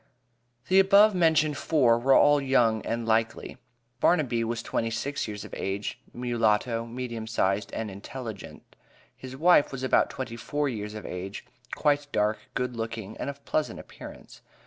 The above mentioned four, were all young and likely. Barnaby was twenty six years of age, mulatto, medium size, and intelligent his wife was about twenty four years of age, quite dark, good looking, and of pleasant appearance.